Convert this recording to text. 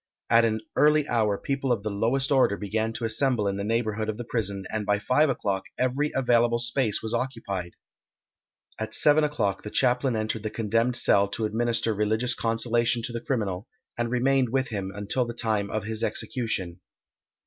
At an early hour people of the lowest order began to assemble in the neighbourhood of the prison, and by five o'clock every available space was occupied. At seven o'clock the chaplain entered the condemned cell to administer religious consolation to the criminal, and remained with him until the time of his execution.